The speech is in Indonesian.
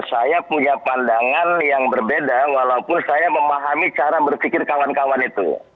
saya punya pandangan yang berbeda walaupun saya memahami cara berpikir kawan kawan itu